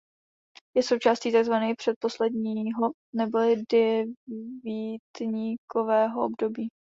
Je součástí tzv předpostního neboli devítníkového období.